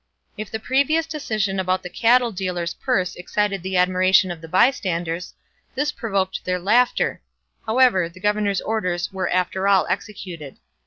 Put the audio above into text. If the previous decision about the cattle dealer's purse excited the admiration of the bystanders, this provoked their laughter; however, the governor's orders were after all executed.